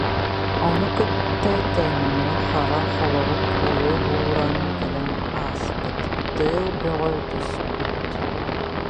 Ону кытта тэҥҥэ хара холорук өрө уһууран кэлэн ааспыт, тыал бөҕө түспүт